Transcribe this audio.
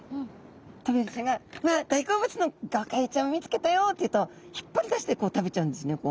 トビハゼちゃんが「わあっ大好物のゴカイちゃんを見つけたよ！」って言うと引っ張り出してこう食べちゃうんですね。